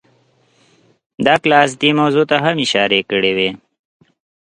ډاګلاس دې موضوع ته هم اشارې کړې وې